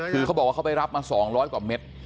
คือเขาบอกว่าเขาไปรับมา๒๐๐กว่าเม็ด